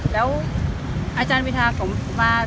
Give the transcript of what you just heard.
แล้วอาจารย์พิชาก็มา